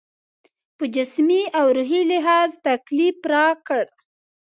په جسمي او روحي لحاظ تکلیف راکړ.